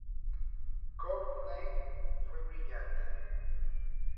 Courteney fue brillante.